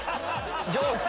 ジョーズ。